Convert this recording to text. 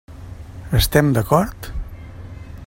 Estem d'acord?